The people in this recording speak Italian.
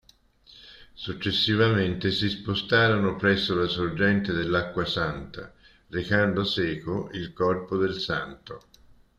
Successivamente si spostarono presso la sorgente dell'Acqua Santa, recando seco il corpo del santo.